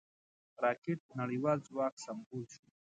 راکټ د نړیوال ځواک سمبول شو